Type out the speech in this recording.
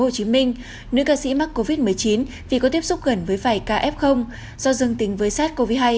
hồ chí minh nữ ca sĩ mắc covid một mươi chín vì có tiếp xúc gần với vài caf do dương tính với sars cov hai